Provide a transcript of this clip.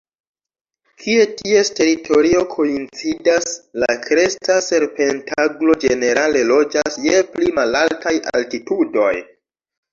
Kie ties teritorio koincidas, la Kresta serpentaglo ĝenerale loĝas je pli malaltaj altitudoj.